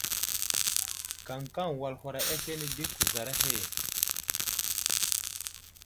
Kamkam wal huraɗ aslane di kuzar ahe.